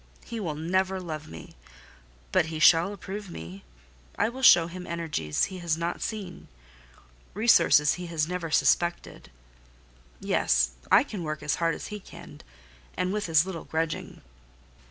He will never love me; but he shall approve me; I will show him energies he has not yet seen, resources he has never suspected. Yes, I can work as hard as he can, and with as little grudging.